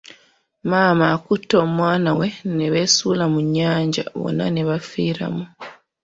Maama akutte omwana we ne beesuula mu nnyanja bonna ne bafiiramu.